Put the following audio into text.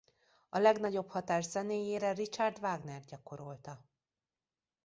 A legnagyobb hatást zenéjére Richard Wagner gyakorolta.